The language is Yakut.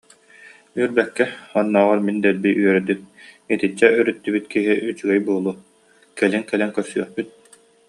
Үөрбэккэ, оннооҕор мин дэлби үөрдүм, итиччэ өрүттүбүт киһи үчүгэй буолуо, кэлин кэлэн көрсүөхпүт